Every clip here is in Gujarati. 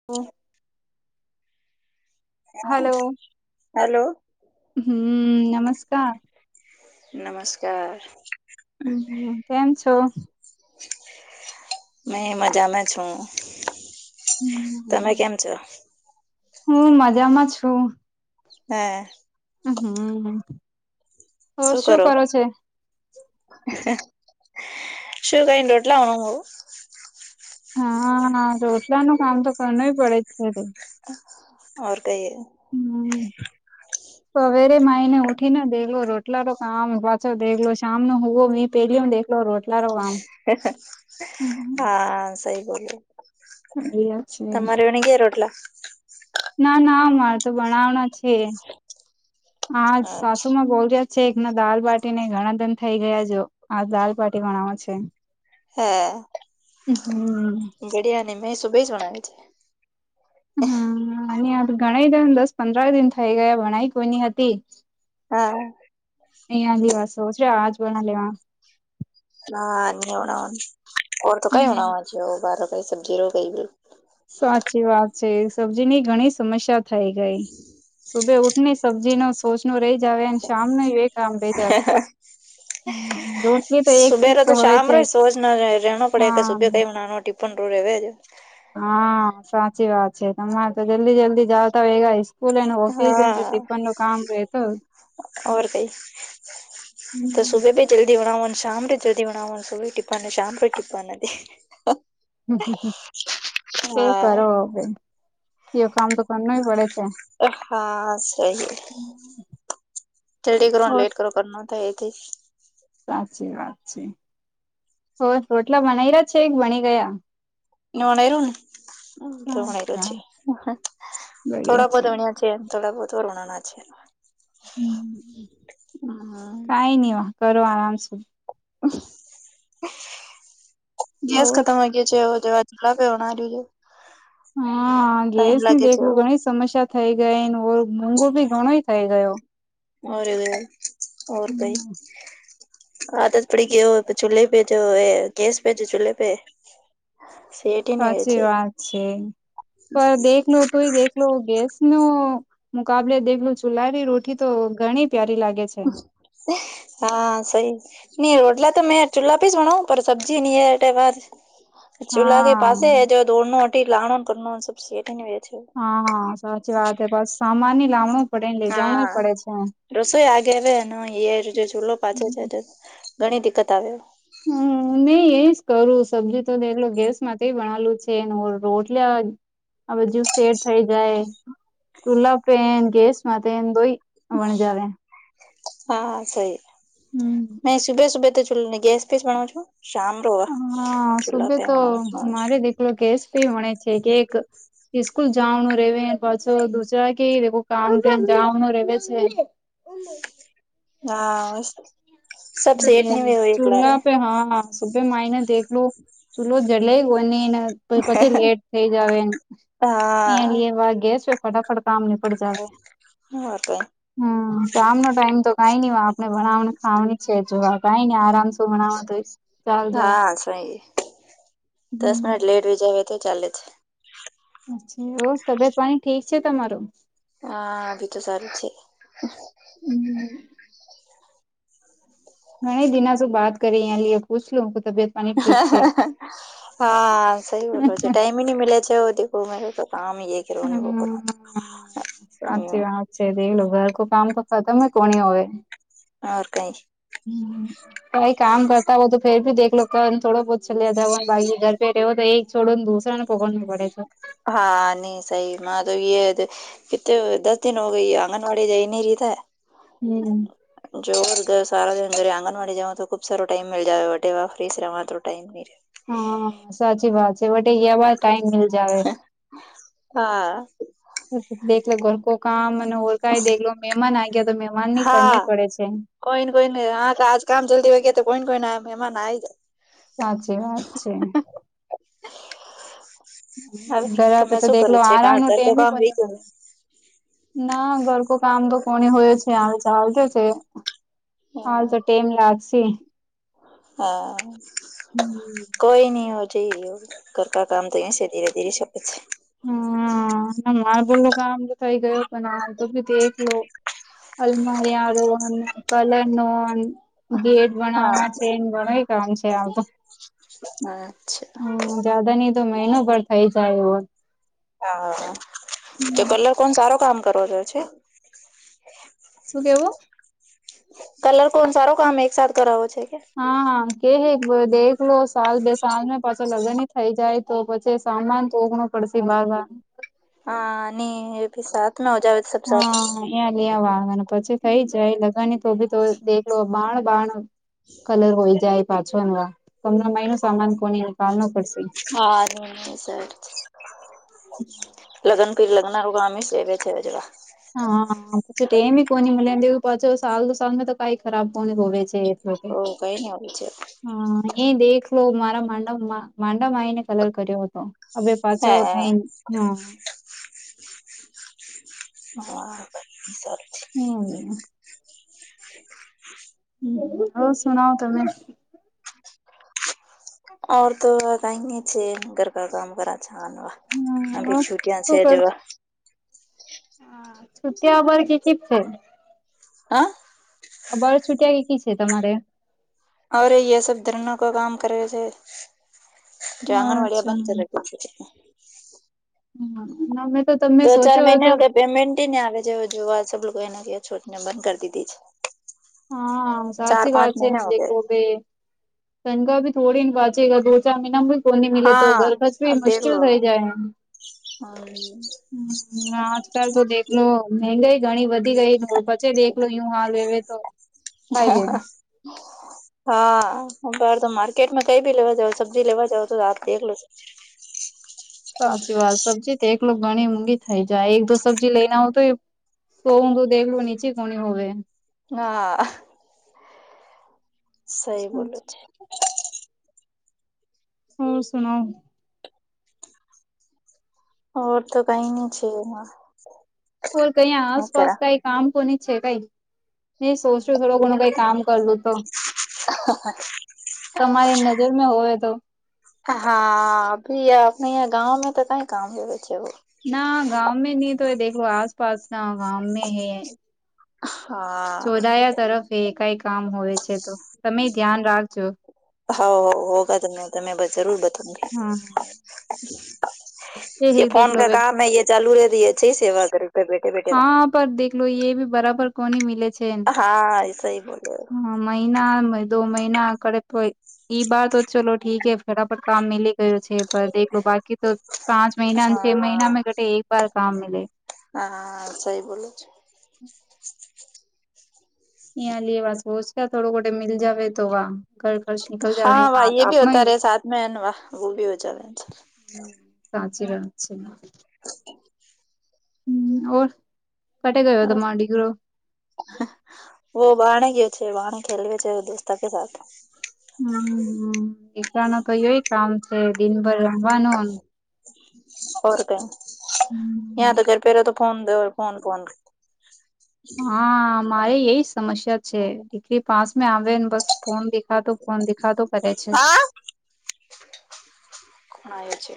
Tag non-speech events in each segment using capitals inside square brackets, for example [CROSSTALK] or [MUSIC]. [UNINTELLIGIBLE] [INAUDIBLE] હલો. હમ્મ. નમસ્કા. નમસ્કાર હમ્મ-હમ્મ. કેમ છો? મે મજામાં છું. તમે કેમ છો? હુંઈ મજામાં છું. હા. હમ્મ-હમ્મ. શું કરો? શું કહી [UNINTELLIGIBLE] હા. રોજદાર નું કામ તો કરનું પડે જ છે [UNINTELLIGIBLE] ઔર કહીએ. હમ સવેરે માહીને ઊઠ [UNINTELLIGIBLE] દેખલો રોટલા તો કામ પાછો દેખલો શામ નો હોવો [UNINTELLIGIBLE] હા સહી બોલ્યો. છે તમારે અણી ગયાં રોટલા? ના, ના અમારે તો બણાવના છે. આજ સાસુ માં બોલ્યા છે એક ના દાલ બાટી ને ઘણા દન થઈ ગયા જો, આજ દાલ બાટી બનાવવાનો છે. હે. હમ્મ. ગડિયાની મે સુબે જ બનાવી છે. હમ ગણ દસ પંદર દિન થઇ ગયા ભણાઈ કોઈની હતી. હા. એ આદિવાસો છે વાવાજ બના લેવા. હા નર તો કઈ હો બાર કઈ સબજી રો કઈ બિલકુલ. સાચી વાત છે સબ્જીની ઘણી સમસ્યા થઈ ગઈ, સુબે ઉઠને સબ્જી ન સોચ ન રહી જ આવે અને શામ ન એ કામ રહી જ આવે. રોટલી તો એક સુબે ર ફિક્સ તો હોય શામ છે ર સ ના રહે પડે હા સુબે કઈ નાનોટી પંદરું રહેવેજ. હા સાચી વાત છે તમારે તો જલ્દી જલ્દી જાવ તો વેલા આવીશું હા રેતો તો શ સુભ બ [UNINTELLIGIBLE] જલ્દી ઉણાાવ સાામરે જલ્દી ઉનાાવન ટીપને સાામરે ટપાન હ એ કરો હા હવે, એવ કામ તો કરનુંય પડે છે. હા, સહી રેડી કરો ઓર લેટ કરો. કર ન થાય એ થ. સાચી વાત છે હો રોટલા બનાઈ રહ્યા છે એક ભણી ગયા? વણર ન અચ્છા તોણર થોડા બધ વણી્યા છે એ [INAUDIBLE] [UNINTELLIGIBLE] થોડા બહુત વરોણ ના છે [UNINTELLIGIBLE] હમ કઈ નહી કરો આરામ સુ ગેસ ખતમ હોય છેવા નાજ [UNINTELLIGIBLE] હા ગેસ ની લાગે છે દેખલું ઘણી સમસ્યા થઈ ગઈ ઓર મોૂઘો ભી ઘણો થઇ ગયો હોરેર કઈ [UNINTELLIGIBLE] હાદત પડી ગયો હોય ચૂલે ભેજેય ગેસ ભેજે ચૂલ્ પે [UNINTELLIGIBLE] સેટ હી નહી હોય સાચી છે વાત છે પણ દેખ નતું દેખ [UNINTELLIGIBLE] ગેસ નો મુકાબલે દેખલું ચુલાારી રોટી તો ઘણી પ્યારી લાગે છે [UNINTELLIGIBLE] [INAUDIBLE] હા સઈ નઈ રોટલા તો મેં ચૂલ્લા પીસવાણ સબ્જી નની એટ વા [UNINTELLIGIBLE] [INAUDIBLE] ચૂલ્લા કે પાસે હા હ જો દોડનું લાણ કર સ સેઠ ની વ છે [UNINTELLIGIBLE] [INAUDIBLE] હા સાચી વાત હ બસ સામાન ની લાવણું પડે લે જવાણું હા પડે છે [UNINTELLIGIBLE] રસોઈ આગે હ ને એ જે ચૂલો પાછો છે ઘણી દિકકત આવે હમ નહી એજ કરું સબ્જી તોટલો ગેસ માંથી ભનાલું છે રોટલા [UNINTELLIGIBLE] આ બધુ સેટ થઇ જાય તુલાપે ગેસમાં દોઈ [UNINTELLIGIBLE] ણ જાવે [UNINTELLIGIBLE] હા સઈ નહી સુભે સુભે તો ગેસ પેસ ભણ છો [UNINTELLIGIBLE] શામ રોવા ચોલા પંગણ શજ [UNINTELLIGIBLE] કેસી મળે છે કે એક [UNINTELLIGIBLE] સ્સ્કૂલ જવાનું રે પાછો દુરા કે કામ જવાનું રે છે [UNINTELLIGIBLE] હા [UNINTELLIGIBLE] સબ હ સેટની વે હોય એકલા ચૂહા રે પે હા [UNINTELLIGIBLE] સુભે મા એને દેખલું ચૂલો જલે ગને [UNINTELLIGIBLE] પ પછી લેટ થઇ જાવ અહીં હા લ વા ગેસ ફટાફટ કામ લ [UNINTELLIGIBLE] ઓર કઈ હમ શમનોો ટાઈમ તો કઈ નહી હોય આપણે ભણાવને ખવા [UNINTELLIGIBLE] છે જવા ભઈ ને આરામ શું મણાવવા દઈ [UNINTELLIGIBLE] હા સાઈ દસ મિનિટ લેટ ર જ તો ચાલે છે [UNINTELLIGIBLE] ચછી ઓ તબિયત પાણી ઠીક છે તમારું [UNINTELLIGIBLE] હા ભી તો સારું છે [UNINTELLIGIBLE] ઘણી દિના શું બાત કરી અં લઈએ પૂછ લું હું તબિયત [UNINTELLIGIBLE] હા હ છે [UNINTELLIGIBLE] હા સહી બોલો છે ટાાઈમ હ ન મિ્યા છે દો મે તો કામે કરું કરો [UNINTELLIGIBLE] હ હમ. [UNINTELLIGIBLE] લો ઘર કો કામ તો ખતમ કોની હોય [UNINTELLIGIBLE] ર કઈ [UNINTELLIGIBLE] હ કઈ કામ કરતા હોય તો ફેર ભી દેખલો ક થોડ બહોત [UNINTELLIGIBLE] લ્લ્યા જો ને બાકી ઘર પ રહેવ તો એક છોડોને દૂસરા ને પોકડું પડે છે [UNINTELLIGIBLE] હા નહી સઈમાં તો [UNINTELLIGIBLE] કે તો દસ દન હો ગઈ આંગનાવડી જઈ નરીતા [UNINTELLIGIBLE] હમ [UNINTELLIGIBLE] જો સારા જરે આંગણવાડી જઓ તો ખુબ સાર ટાઈમ મ જટે વા ફ્રી ર તો ટાઈમ હ સાચી વાત છે વટે એવાર ટાઈમ હા દેખલો ઘર કો કામ અને ઓરકા દેખલો મહેમાન આ ગયા તો મહેમાન નની કરની પડે છે [UNINTELLIGIBLE] કોઈ ને કોઈ નને હા આજ કામ જલ્દી વાગે તો કોઈ ને કોઈ મહેમાન આઈ જાય [UNINTELLIGIBLE] સાચી વાત છે ઘરે પે તો દેખલો આરામ નો ટેમ કોને મળે [UNINTELLIGIBLE] ના ઘર કો કામ તો કોની હોય છે હવે ચાલતો છે [UNINTELLIGIBLE] હા તો ટેમ લાગસી. હા હમ. કોઈ ન ઓજઈ ઘરકા કામ તો એ છે ધીરે ધીરે શકે છે. હા મારે બલો આમ તો થઈ ગયો પણ આ તો બી દેખલો અલમારી આર કલર નો ન ગેટ બનાવા છે એ ઘણા કામ છે આવ તો હમ જયાદા નહિ તો મહિનો પર થઇ જાય એવો હા તો કલર કોણ સારો કામ કરવો જો છે. શું કેવો? કલર કોણ સારો કામ એકસાથ કરાવો છે કે? હા હા કેહે દેખ લો સાલ બે સાલ પાછા લગ્ન થઈ જાય. તો પછી સામાન તો ઓઘણું પડશે બાર વાર હા ની સાત મે આવજાવ તો સબ સાત હ અં લ વાગ પછી થઈ જાય લગાની તો બી તો દેખડો બાણ બાણ કલર હોય જાય પાછો ન તમને માલ ન સામાન કોને નીકાલ ન પડશે. હા સર [UNINTELLIGIBLE] લગન પીર લગના ર આમી સેવે છે જ [INAUDIBLE] હા પછ મી કોની મ પાછ સાલ દુ સાલ તો કઈ ખરાબ કોણ હોવે છે. લોકો ઓ કઈ નઈ આવી છે. હા એ દેખ લો મારા માંડમાં માંડમાં આવીને કલર કર્યો હતો. હવે પાછો થઈ હ? હાર [INAUDIBLE] હમ્મ હ ઓર સુના તમે? ઓર તો કઈ ન છે ઘર કા કામ કરા છ. હવે છુટિયા છે જેવા હ છુટબર કે છે [INAUDIBLE] હ બર છૂટિયા કેકી છે તમારે? અ એ સબ ધરણ કો કામ કરે છે. જ આંગણવાડીયા અચ્છા બંધ ચ હમ્મ દો ચાર મહિના ક પેમેન્ટને આવે છે જોવા સ લોકો એને ક છોટને બંધ કરી દીધી છ. હા સાચી વાત છે એમ કોબ તંગા ભી થોડી ને વાંચેા દો ચાર મહિના કો ન મિેલે તો ઘર ખર્ચ ભી મુશ્કલ રહી જાય [UNINTELLIGIBLE] હ આજ કાલ તો દેખલો મંગાઈ ઘણી વધી ગઈ પછી દેખલો યું હાલ હવે તો કાઈમ [INAUDIBLE] હા બર તો માર્કેટમાં કઈ ભી લેવા જાવ સબ્જી લેવા જાવ તો આપ દેખ લજો સાચી વાત સબ્જી તો એક ઘણી ઊંઘી થઈ જાય એક દો સબ્જી લઈને હો તો એ શોવું દખલું નીચે કોણી હવે હા સઈ બોલ છે. હોર સુનાઓ ઓર તો કઈ ન છે. હ‌‌ કોલ કઈ આસપાસ કઈ કામ કોની છે. કઈ નહી સોચ્યું થોડું ઘણું કઈ કામ કરવું? તો તમારી નજરમાં હોય તો હા અભી આપને ગાવ મે તો કઈ કામ છે. વ છેે. ના ગાં મે નહીં તો હ દખલો આસપાસ ના ગાં મે હૈ હા ચોડાયા તરફ કઈ કામ હોય છે. તો તમે ધ્યાન રાખજો. હા હો હોગા તમે તમે બસ જરૂર બતા- હા એ ફોન દેખલો કે વે કામ હૈ ચાલુ રે છે. સેવા કરે હા પર દેખલો એ બી બરાબર કોની મીલે છે. હા એસ હ બોલો્યો હા મહિના દો મહિના આકડ તોય. ઈ બાર તો ચલો ઠીકે ફરાફટ કામ મિલી ગયો છે. પણ દેખલો બાકી તો પ પાંચ મહિના છ હા મહિના મે ઘટે એક વાર કામ મિલે હા સઈ બોલો છે. લએ વાસ બો કે થોડો ઘટે મી જવે તો વા કર કરશે હા વા ભી હોતા, રહ સા મે વા વ ભી હો જ હમ સાચી વાત છે. હ હમર કટે ગયો તોમાંડી ગરો વ બાહણે કયો છે. વાહણે ખેલવે છે. દોસ્તાતો કે સા હમ દીરા ન તો યય કામ છે. દિનભર રવાનુ ર ક હમ યા તો ચર પે તો ફોન દ ફોન ફ હા મારે એય સમસ્યા છે. દીકરી પાસ આવે ને બસ ફોન દેખાતો ફોન દેખાતો કરે છે. ખણ એ છે.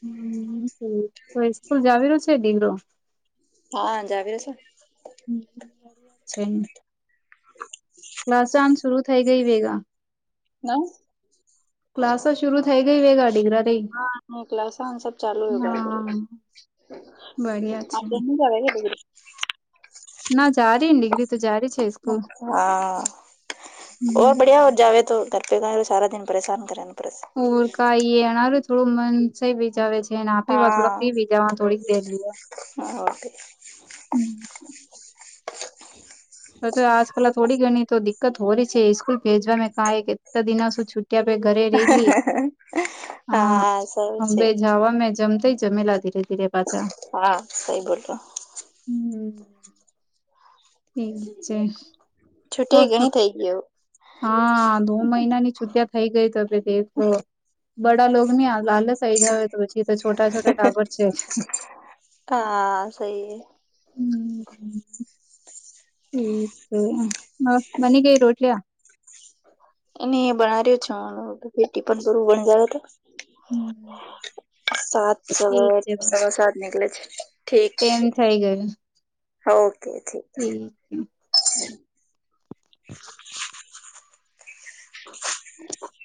હમ તો સ્કૂલ જાવલ છે. ઢલો હા જાવી રસો અ્છા ક્લાસન શરુ થઈ ગઈ વેગા ના ક્લાસો શરૂ થઈ ગઈ વેગા ડીગ્ર હા નક લસન સ ચાલુ યગ. હા બડિયા છે આપ જ કેટ ના જારી ને ડિગ્રી તું જારી છે. સ્કૂલ હાર બડિયા જાવે, તો ઘર પે ક તો સારા દન પરેશાન કરેનું પરસ ઉર કાય અનારું થોડું મન છે. બીજાવે છે. જેને આપી વા થોડાક ફીવી જવા થોડીક દેર લઈ હ તો તો આજકાલ થોડી ઘણી તો દિક્કત હોય છે. સ્કૂલ ભેજવા કા કેટલા દિના સુ છ. ત્યાં બેે ઘરે રેલી હા હા સારું છે હંભાઈ જવા મે જમતા જમેલા ધીરે ધીરે પાછા હા સઈ બોલલો હમ્મ ઠીક છે, હ છૂટી હ ઘણી થઈ ગયો હા દો મહિના ની છુટિયા થઇ ગઈ ત દેલો બડા લો ની લાલસઈ જ આવે તો પછી તો છોટા છોટા ટાવર છે. આ સહી ઠીક [UNINTELLIGIBLE] હ બનીગય રોટલ્યા એ બનાવ્યો છું ફીટી પણું બન જાય તો હમ્મ સાત સ સવા સાત નનીકલેે છે ઠીક છે. એમ થઈ ગયુ. ઓકે ઠીક [UNINTELLIGIBLE] [INAUDIBLE] [INAUDIBLE] [INAUDIBLE]